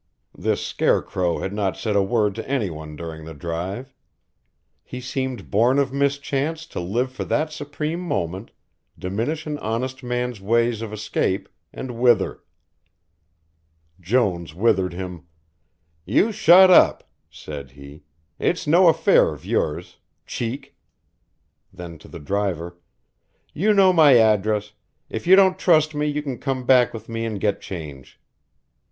This scarecrow had not said a word to anyone during the drive. He seemed born of mischance to live for that supreme moment, diminish an honest man's ways of escape, and wither. Jones withered him: "You shut up," said he. "It's no affair of yours cheek." Then to the driver: "You know my address, if you don't trust me you can come back with me and get change."